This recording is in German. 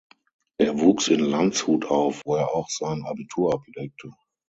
Er wuchs in Landshut auf, wo er auch sein Abitur ablegte.